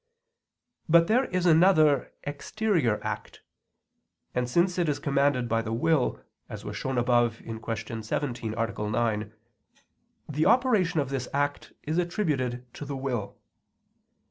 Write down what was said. But there is another, exterior act; and since it is commanded by the will, as was shown above (Q. 17, A. 9) the operation of this act is attributed to the will.